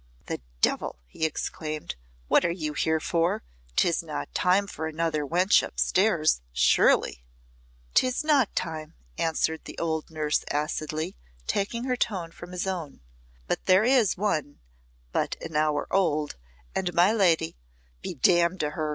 "The Devil!" he exclaimed "what are you here for? 'Tis not time for another wench upstairs, surely?" "'Tis not time," answered the old nurse acidly, taking her tone from his own. "But there is one, but an hour old, and my lady " "Be damned to her!"